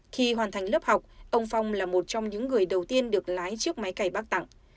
khi hoàn thành lớp học ông phong là một trong những người đầu tiên được lái chiếc máy cày bác tặng